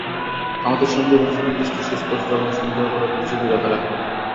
আমাদের সংবিধান সুনির্দিষ্ট, সুস্পষ্ট এবং সন্দেহ করার কোনো সুযোগ এতে রাখা হয়নি।